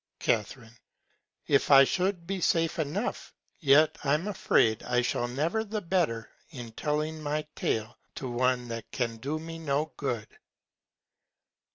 Ca. If I should be safe enough, yet I'm afraid I shall be never the better in telling my Tale to one that can do me no good.